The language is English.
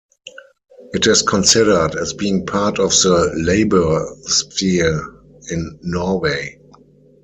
It is considered as being part of the "Labour Sphere" in Norway.